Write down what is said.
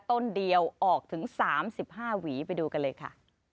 ต้นเดียวออกถึงสามสิบห้าหวีไปดูกันเลยค่ะ